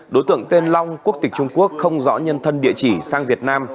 đối tượng tên long quốc tịch trung quốc không rõ nhân thân địa chỉ sang việt nam